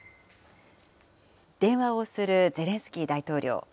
電話をするゼレンスキー大統領。